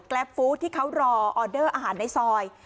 ฟู้ดที่เขารอออเดอร์อาหารในซอย